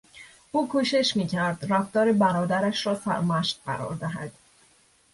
او کوشش میکرد رفتار برادرش را سرمشق قرار دهد.